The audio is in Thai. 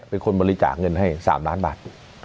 เป็นคนบริจาคเงินให้๓ล้านบาท